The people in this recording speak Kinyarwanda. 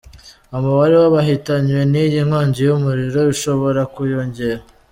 Umubare w'abahitanywe n'iyi nkongi y'umuriro ushobora kwiyongera.